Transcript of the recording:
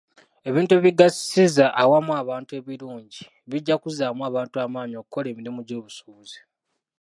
Ebintu ebigasiza awamu abantu ebirungi bijja kuzzaamu abantu amaanyi okukola emirimu gy'obusuubuzi.